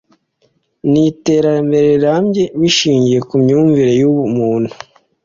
n’iterambere rirambye bishingiye ku myumvire y’ubumuntu